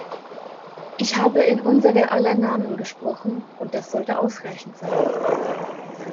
Ich habe in unserer aller Namen gesprochen, und das sollte ausreichend sein.